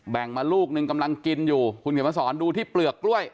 มาลูกนึงกำลังกินอยู่คุณเขียนมาสอนดูที่เปลือกกล้วย